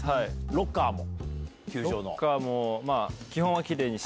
ロッカーも。